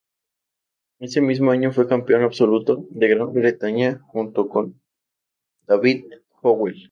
Ese mismo año fue campeón absoluto de Gran Bretaña junto con David Howell.